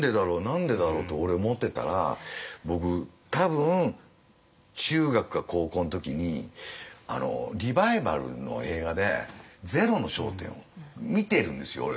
何でだろう？って俺思ってたら僕多分中学か高校の時にリバイバルの映画で「ゼロの焦点」を見てるんですよ俺。